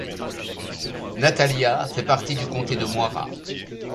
Nathalia fait partie du Comté de Moira.